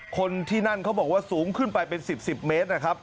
คนที่นั่นเขาบอกว่าสูงขึ้นไปเป็น๑๐๑๐เมตรนะครับ